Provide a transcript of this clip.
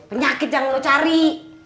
penyakit yang lo cari